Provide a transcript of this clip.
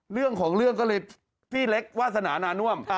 เรื่องของเรื่องก็เลยพี่เล็กวาสนานาน่วม